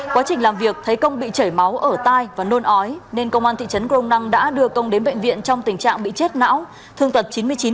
quá trình làm việc thấy công bị chảy máu ở tai và nôn ói nên công an thị trấn crong năng đã đưa công đến bệnh viện trong tình trạng bị chết não thương tật chín mươi chín